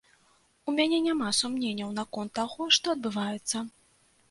У мяне няма сумненняў наконт таго, што адбываецца.